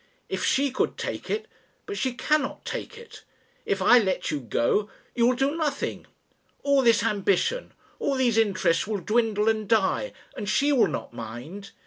If she could take it But she cannot take it. If I let you go you will do nothing. All this ambition, all these interests will dwindle and die, and she will not mind.